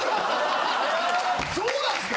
そうなんすか？